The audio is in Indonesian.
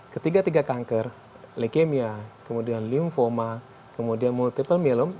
ketiga tiga kanker leukemia kemudian lymphoma kemudian multiple myeloma